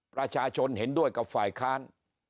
ประชาชนเห็นด้วยกับฝ่ายค้าน